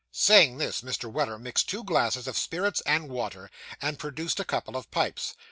Saying this, Mr. Weller mixed two glasses of spirits and water, and produced a couple of pipes.